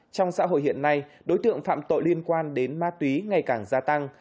trong xã hội hiện nay đối tượng phạm tội liên quan đến ma túy ngày càng gia tăng